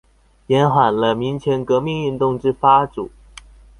延緩了民權革命運動之發主